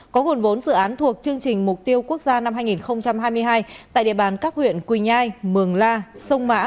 có nguồn vốn dự án thuộc chương trình mục tiêu quốc gia năm hai nghìn hai mươi hai tại địa bàn các huyện quỳnh nhai mường la sông mã